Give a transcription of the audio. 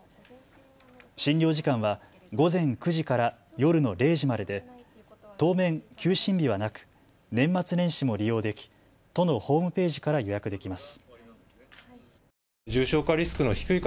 診療時間は午前９時から夜の０時までで当面、休診日はなく年末年始も利用でき、都のホームページから予約できます。